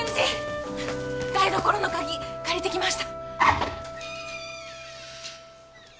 台所の鍵借りてきました。